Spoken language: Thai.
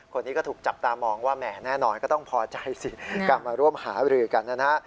คนนี้ก็ถูกจับตามองว่าแหมแน่นอนก็ต้องพอใจสิการมาร่วมหารือกันนะฮะ